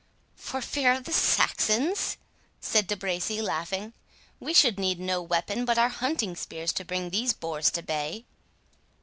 "For fear of the Saxons?" said De Bracy, laughing; "we should need no weapon but our hunting spears to bring these boars to bay."